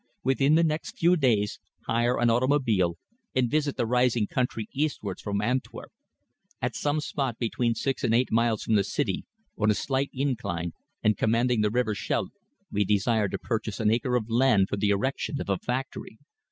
Within the next few days, hire an automobile and visit the rising country eastwards from Antwerp. At some spot between six and eight miles from the city, on a slight incline and commanding the River Scheldt, we desire to purchase an acre of land for the erection of a factory.